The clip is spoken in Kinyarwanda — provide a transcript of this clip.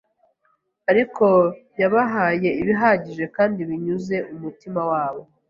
Ariko yabahaye ibihagije kandi binyuze umutima wabo